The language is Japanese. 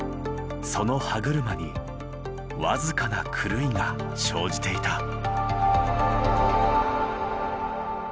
その歯車に僅かな狂いが生じていた。